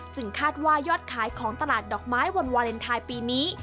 คาดว่ายอดขายของตลาดดอกไม้วันวาเลนไทยปีนี้